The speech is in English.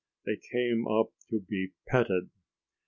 They came up to be petted.